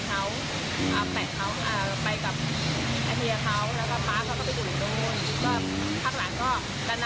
แอมก็อยู่กับพี่ชายเขา